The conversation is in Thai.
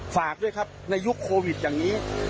ฝากด้วยครับในยุคโควิดอย่างนี้